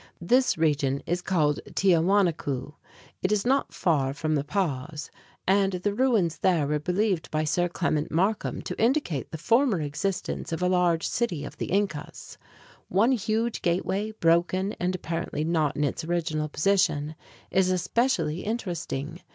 This region is called Tiahuanacu (tee ah wah nah´ koo). It is not far from La Paz, and the ruins there were believed by Sir Clements Markham to indicate the former existence of a large city of the Incas. One huge gateway, broken and apparently not in its original position, is especially interesting.